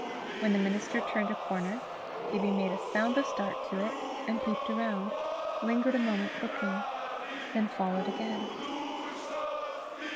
When the minister turned a corner, Gibbie made a soundless dart to it, and peeped round, lingered a moment looking, then followed again.